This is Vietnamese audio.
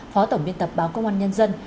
phó tổng biên tập báo công an nhân dân